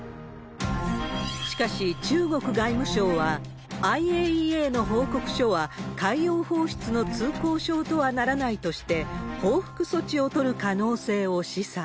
しかし、中国外務省は、ＩＡＥＡの報告書は、海洋放出の通行証とはならないとして、報復措置を取る可能性を示唆。